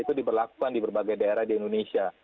itu diberlakukan di berbagai daerah di indonesia